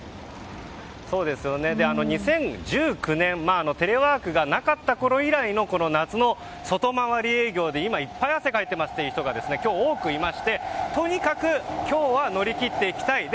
２０１９年テレワークがなかったころ以来のこの夏の外回り営業で今、いっぱい汗をかいてますという人が今日多くいましてとにかく今日は乗り切っていきたいと。